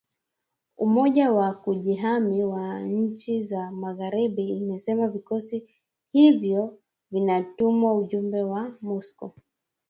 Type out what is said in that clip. Umoja wa kujihami wa nchi za magharibi imesema vikosi hivyo vinatuma ujumbe kwa Moscow